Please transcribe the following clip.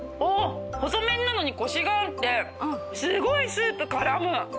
細麺なのにコシがあってすごいスープ絡む。